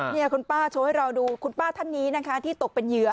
นี่คุณป้าโชว์ให้เราดูคุณป้าท่านนี้นะคะที่ตกเป็นเหยื่อ